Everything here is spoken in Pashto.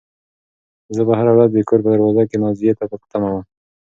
زه به هره ورځ د کور په دروازه کې نازيې ته په تمه وم.